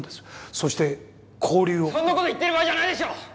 そして交流をそんなこと言ってる場合じゃないでしょう！